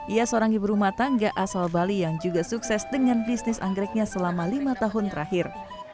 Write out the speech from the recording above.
ia seorang ibu rumah tangga asal bali yang juga sukses dengan bisnis anggreknya selama lima tahun terakhir